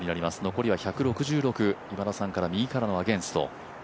残りは１６６、今田さんからは右からのアゲンスト。